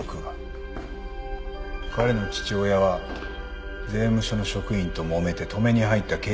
彼の父親は税務署の職員ともめて止めに入った警察官を。